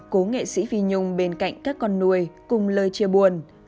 cố nghệ sĩ phi nhung bên cạnh các con nuôi cùng lời chia buồn